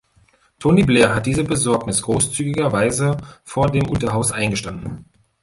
Tony Blair hat diese Besorgnis großzügigerweise vor dem Unterhaus eingestanden.